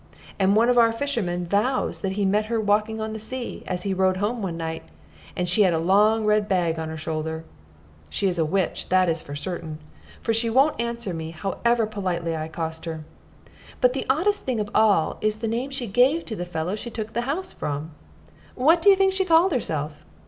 And one of our fishermen vows that he met her walking on the sea, as he rowed home one night, and she had a long red bag on her shoulder. She is a witch, that is certain; for she won't answer me, however politely I accost her. But the oddest thing of all is the name she gave to the fellow she took the house from. What do you think she called herself?